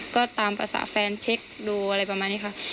ก็ตามภาษาแฟนเช็คดูอะไรประมาณนี้ค่ะ